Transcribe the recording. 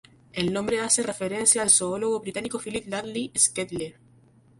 El nombre hace referencia al zoólogo británico Philip Lutley Sclater.